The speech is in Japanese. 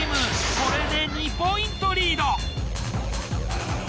これで２ポイントリード。